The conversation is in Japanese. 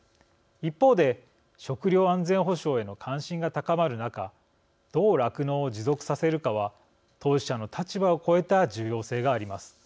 一方で食料安全保障への関心が高まる中どう酪農を持続させるかは当事者の立場を超えた重要性があります。